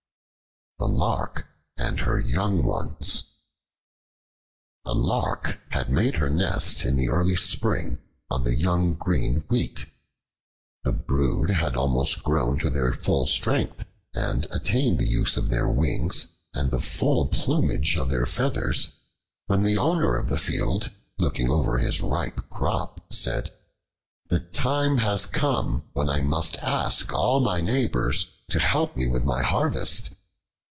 The Lark and Her Young Ones A LARK had made her nest in the early spring on the young green wheat. The brood had almost grown to their full strength and attained the use of their wings and the full plumage of their feathers, when the owner of the field, looking over his ripe crop, said, "The time has come when I must ask all my neighbors to help me with my harvest."